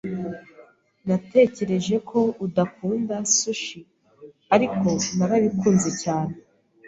Natekereje ko udakunda sushi, ariko narabikunze cyane.